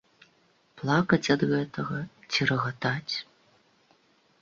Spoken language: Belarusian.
Плакаць ад гэтага, ці рагатаць?